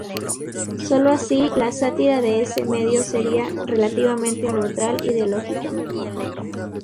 Solo así la sátira de ese medio seria relativamente neutral ideológicamente.